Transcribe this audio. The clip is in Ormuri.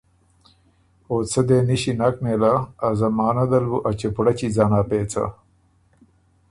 او څه دې نِݭی نک نېله، ا زمانۀ دل بُو ا چُپړچی ځنا پېڅه۔